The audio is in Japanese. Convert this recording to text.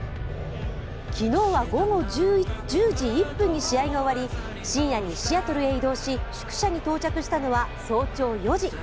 昨日は午後１０時１分に試合が終わり深夜にシアトルへ移動し、宿舎に到着したのは早朝４時。